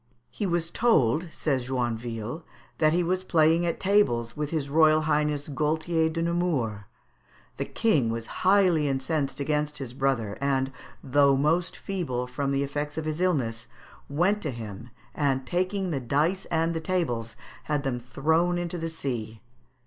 "He was told," says Joinville, "that he was playing at tables with his Royal Highness Gaultier de Nemours. The King was highly incensed against his brother, and, though most feeble from the effects of his illness, went to him, and taking the dice and the tables, had them thrown into the sea."